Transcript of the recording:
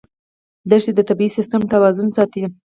دښتې د طبعي سیسټم توازن ساتي.